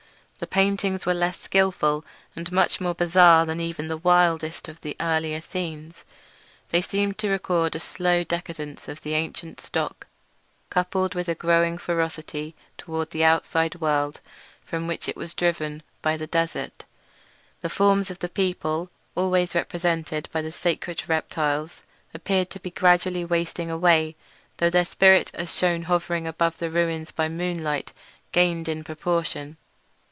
The paintings were less skilful, and much more bizarre than even the wildest of the earlier scenes. They seemed to record a slow decadence of the ancient stock, coupled with a growing ferocity toward the outside world from which it was driven by the desert. The forms of the people—always represented by the sacred reptiles—appeared to be gradually wasting away, though their spirit as shewn hovering about the ruins by moonlight gained in proportion.